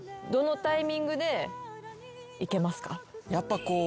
やっぱこう。